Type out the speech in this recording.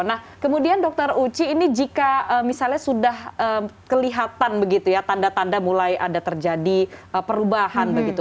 nah kemudian dokter uci ini jika misalnya sudah kelihatan begitu ya tanda tanda mulai ada terjadi perubahan begitu